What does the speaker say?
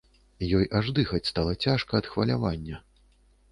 Ёй аж дыхаць стала цяжка ад хвалявання.